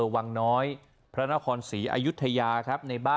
วังน้อยพระนครศรีอายุทยาครับ